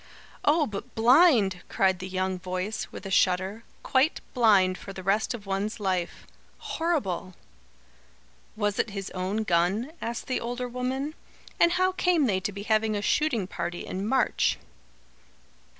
"Oh, but blind!" cried the young voice, with a shudder. "Quite blind for the rest of one's life. Horrible!" "Was it his own gun?" asked the older woman. "And how came they to be having a shooting party in March?"